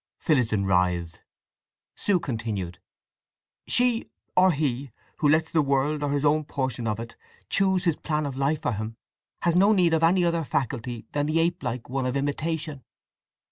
Phillotson writhed. Sue continued: "She, or he, 'who lets the world, or his own portion of it, choose his plan of life for him, has no need of any other faculty than the apelike one of imitation.